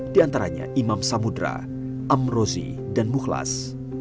diantaranya imam samudra amrozi dan mukhlas